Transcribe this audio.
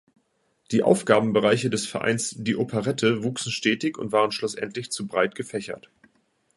Die Aufgabenbereiche des Vereins „Die Operette“ wuchsen stetig und waren schlussendlich zu breit gefächert.